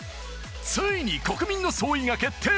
ついに国民の総意が決定